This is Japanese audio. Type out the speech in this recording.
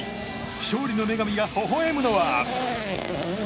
勝利の女神がほほ笑むのは？